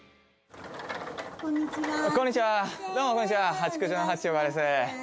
こんにちは。